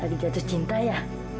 lagi jatuh cinta ya